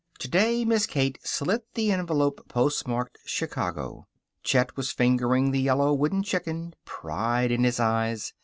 Today Miss Kate slit the envelope post marked Chicago. Chet was fingering the yellow wooden chicken, pride in his eyes.